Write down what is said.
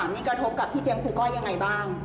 มีกระทบกับพี่เจ๊มครูก้อยยังไงบ้าง